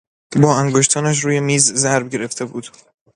با انگشتانش روی میز ضرب گرفته بود.